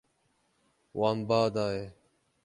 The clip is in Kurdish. Wan ba daye.